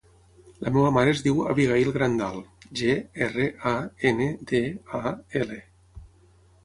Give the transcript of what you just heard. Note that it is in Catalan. La meva mare es diu Abigaïl Grandal: ge, erra, a, ena, de, a, ela.